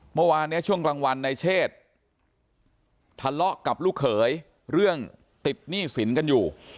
เมื่อวานเนี่ยช่วงกลางวันนายเชษทะเลาะกับลูกเขยเรื่องติดหนี้สินกันอยู่